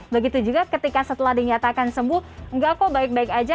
begitu juga ketika setelah dinyatakan sembuh enggak kok baik baik aja